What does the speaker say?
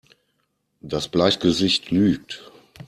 Das Bleichgesicht lügt!